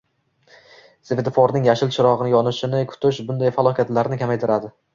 svetoforning yashil chirog‘i yonishini kutish bunday falokatlarni kamaytiradi